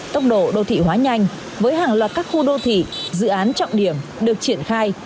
tốc độ đô thị hóa nhanh với hàng loạt các khu đô thị dự án trọng điểm được triển khai